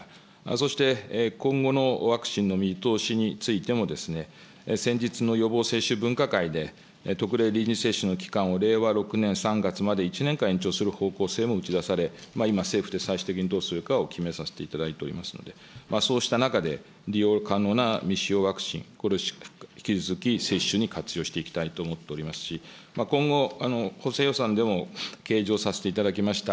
そして、今後のワクチンの見通しについても、先日の予防接種分科会で特例臨時接種の期間を令和６年３月まで１年間延長する方向性も打ち出され、今、政府で最終的にどうするかを決めさせていただいておりますので、そうした中で、利用可能な未使用ワクチン、これをしっかり引き続き接種に活用していきたいと思っておりますし、今後、補正予算でも計上させていただきました